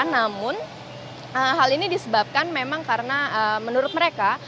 namun hal ini disebabkan memang karena menurut mereka